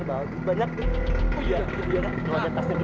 boleh pinjem tasnya nggak pak